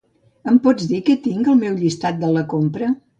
Em pots dir què tinc al meu llistat de la compra?